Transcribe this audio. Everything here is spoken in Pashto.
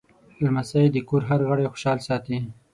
لمسی د کور هر غړی خوشحال ساتي.